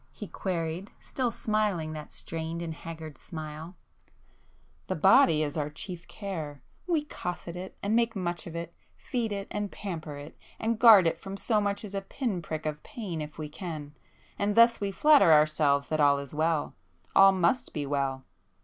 he queried, still smiling that strained and haggard smile—"The body is our chief care,—we cosset it, and make much of it, feed it and pamper it, and guard it from so much as a pin prick of pain if we can,—and thus we flatter ourselves that all is well,—all must be well!